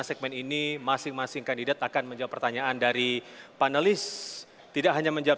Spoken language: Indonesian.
segmen ini masing masing kandidat akan menjawab pertanyaan dari panelis tidak hanya menjawab